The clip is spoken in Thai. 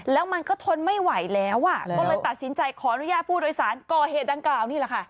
แล้วมันก็ทนไม่ไหวแล้วก็เลยตัดสินใจขออนุญาตผู้โดยสารก่อเหตุดังกล่าวนี่แหละค่ะ